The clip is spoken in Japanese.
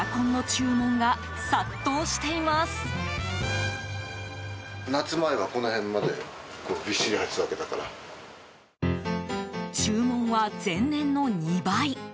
注文は前年の２倍。